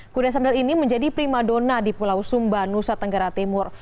kuda sandal ini menjadi prima dona di pulau sumba nusa tenggara timur